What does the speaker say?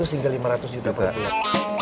dua ratus hingga lima ratus juta per bulan